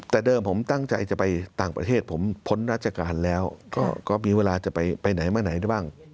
แต่เดิมผมตั้งใจจะไปต่างประเทศผมพ้นราชการแล้วก็มีเวลาจะไปไหนมาไหนได้บ้าง